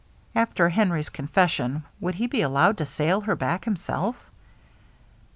After Henry's confession, would he be allowed to sail her back himself?